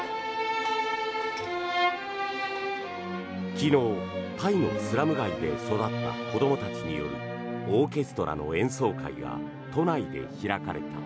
昨日、タイのスラム街で育った子どもたちによるオーケストラの演奏会が都内で開かれた。